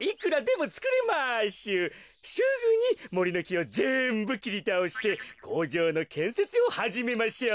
すぐにもりのきをぜんぶきりたおしてこうじょうのけんせつをはじめましょう。